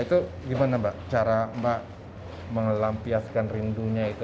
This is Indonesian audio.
itu gimana mbak cara mbak mengelampiaskan rindunya itu